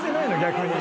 逆に。